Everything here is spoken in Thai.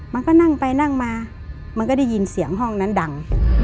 มันก็นั่งไปนั่งมามันก็ได้ยินเสียงห้องนั้นดัง